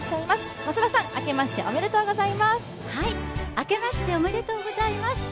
増田さん、明けましておめでとうございます。